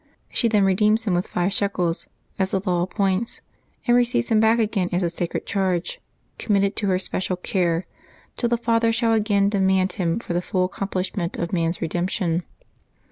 She then redeems Him with five shekels, as the law ap points, and receives Him back again as a sacred charge committed to her special care, till the Father shall again demand Him for the full accomplishment of man's re demption.